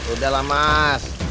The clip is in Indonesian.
udah lah mas